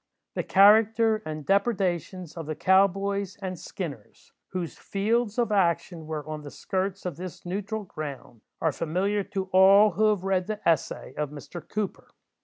The character and depredations of the "cow boys" and "skinners," whose fields of action were on the skirts of this neutral ground, are familiar to all who have read "the Essay" of Mr. Cooper.